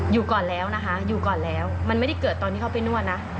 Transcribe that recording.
อยู่ก่อนแล้วนะคะอยู่ก่อนแล้วมันไม่ได้เกิดตอนที่เขาไปนวดนะ